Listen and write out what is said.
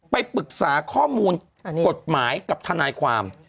ไปปรึกษาข้อมูลกฎหมายกับทนายความ